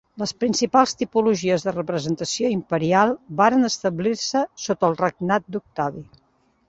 Les principals tipologies de representació imperial varen establir-se sota el regnat d’Octavi.